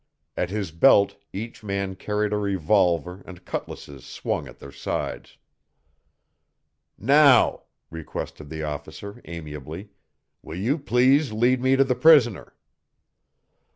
At his belt each man carried a revolver and cutlasses swung at their sides. "Now," requested the officer amiably, "will you please lead me to the prisoner?"